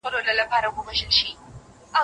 تاسو کولای سئ چي د وطن لپاره قرباني ورکړئ.